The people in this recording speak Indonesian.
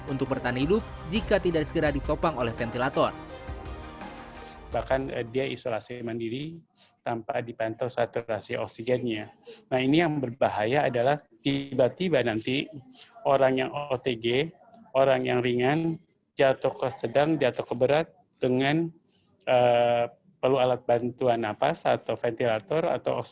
untuk bertahan hidup jika tidak segera ditopang oleh ventilator